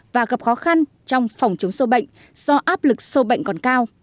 và gặp khó khăn trong phòng chống sâu bệnh do áp lực sâu bệnh còn cao